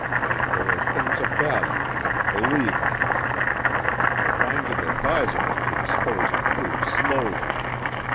And there are things of value in it, believe me! I find it advisable to dispose of loot slowly.